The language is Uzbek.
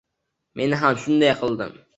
Men ham shunday qildim